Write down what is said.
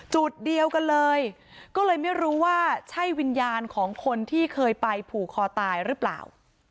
จุดเดียวกันเลยก็เลยไม่รู้ว่าใช่วิญญาณของคนที่เคยไปผูกคอตายหรือเปล่า